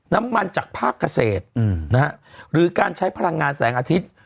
น้ำมันจากภาคเกษตรหรือการใช้พลังงานแสงอาทิตย์